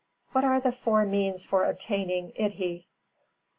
_What are the four means for obtaining Iddhī?